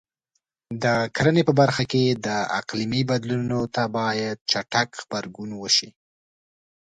د کرنې په برخه کې د اقلیم بدلونونو ته باید چټک غبرګون وشي.